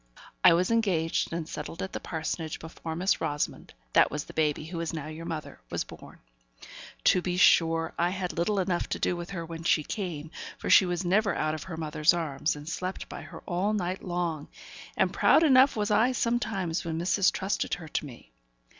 I was engaged and settled at the parsonage before Miss Rosamond (that was the baby, who is now your mother) was born. To be sure, I had little enough to do with her when she came, for she was never out of her mother's arms, and slept by her all night long; and proud enough was I sometimes when missis trusted her to me.